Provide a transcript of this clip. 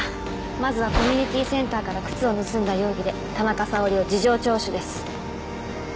まずはコミュニティーセンターから靴を盗んだ容疑で田中沙織を事情聴取です。